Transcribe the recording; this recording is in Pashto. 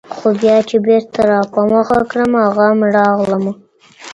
خو بيا چي بېرته راپه مخه کړمه غم ، راغلمه